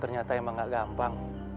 ternyata emang gak gampang